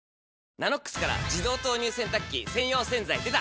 「ＮＡＮＯＸ」から自動投入洗濯機専用洗剤でた！